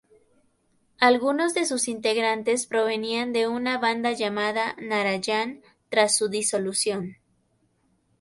Algunos de sus integrantes provenían de una banda llamada Narayan, tras su disolución.